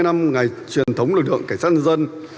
bảy mươi năm ngày truyền thống lực lượng cảnh sát nhân dân